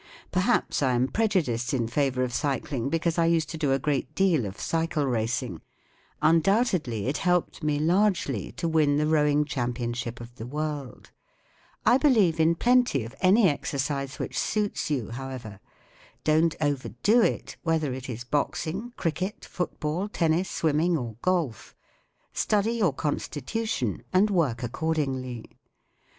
Perhaps I am prejudiced in favour of cycling, because I used to do a great deal of cycle racing* Undoubtedly it helped me largely to win the rowing championship of the world* I believe in plenty of any exercise which suits you, however* Don't overdo it, whether it is boxing, criclset, football, tennis, swimming, or golf. Study your constitu¬ tion and work accord¬ ingly.